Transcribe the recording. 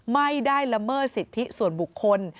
ไม่ได้ละเมิดสิทธิส่วนบุคคล